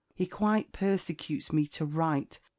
He quite persecutes me to write.